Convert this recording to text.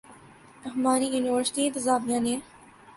ہماری یونیورسٹی انتظامیہ نے